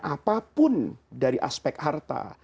apapun dari aspek harta